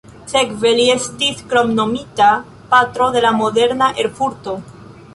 Sekve li estis kromnomita "patro de la moderna Erfurto".